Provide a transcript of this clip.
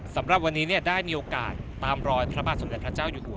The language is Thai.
สำหรับวันนี้ได้มีโอกาสตามรอยพระบาทสมเด็จพระเจ้าอยู่หัว